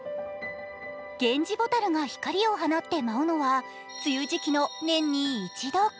ゲンジボタルが光を放って舞うのは梅雨時期の年に一度。